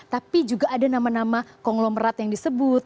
tapi juga ada nama nama konglomerat yang disebut